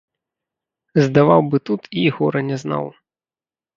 Здаваў бы тут і гора не знаў.